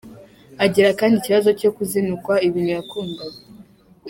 Agira kandi ikibazo cyo kuzinukwa ibintu yakundaga.